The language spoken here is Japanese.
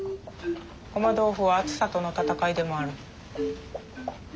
ごま豆腐は暑さとの戦いでもある。